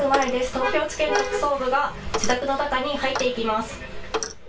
東京地検特捜部が、自宅の中に入っていきます。